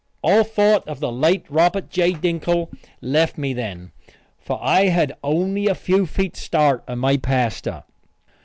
All thought of the late Robert J. Dinkle left me then, for I had only a few feet start of my pastor.